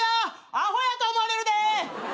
アホやと思われるで。